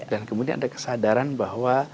dan kemudian ada kesadaran bahwa